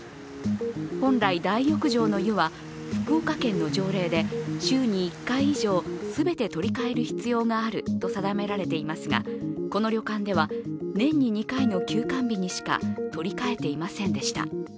本来、大浴場の湯は福岡県の条例で週に１回以上、全て取り替える必要があると定められていますがこの旅館では、年に２回の休館日にしか取り替えていませんでした。